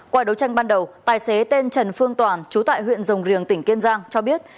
qua đấu tranh ban đầu tài xế tên trần phương toàn chú tại huyện rồng riềng tỉnh kiên giang cho biết